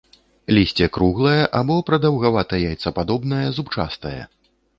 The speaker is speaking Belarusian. Лісце круглае або прадаўгавата-яйцападобнае, зубчастае.